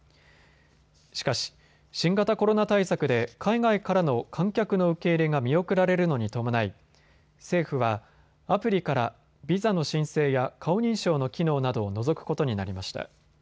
しかし、新型コロナ対策で海外からの観客の受け入れが見送られるのに伴い政府はアプリからビザの申請や顔認証の機能などを除くことになりました。